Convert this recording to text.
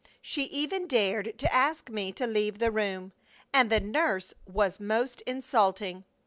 She even dared to ask me to leave the room. And the nurse was most insulting.